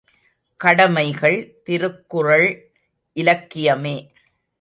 கடமைகள் திருக்குறள் இலக்கியமே.